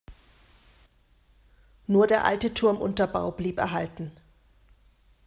Nur der alte Turmunterbau blieb erhalten.